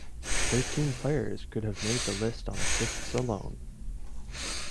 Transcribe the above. Thirteen players could have made the list on assists alone.